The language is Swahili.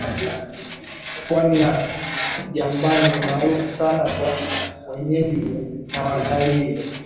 Pwani ya Jambani ni maarufu sana kwa wenyeji na watalii